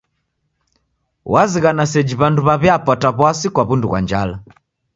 Wazighana seji w'andu w'aw'iapata w'asi kwa w'undu ghwa njala.